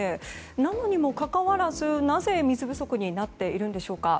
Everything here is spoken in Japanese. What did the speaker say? なのにもかかわらずなぜ水不足になっているんでしょうか。